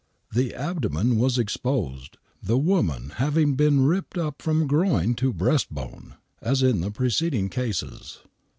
The abdomen was exposed, the woman having been ripped up from groin to breast bone, as in the preceding cases.